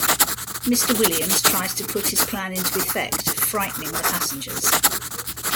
Mr. Williams tries to put his plan into effect, frightening the passengers.